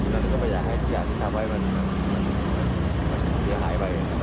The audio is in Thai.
รัฐปราหารที่